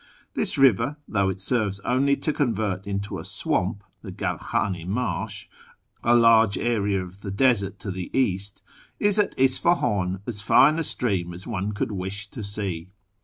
This river, though it serves only to convert into a swamp (the Gavkhane Marsh) a large area of the desert to the east, is at Isfahan as fine a stream as one could wish to see.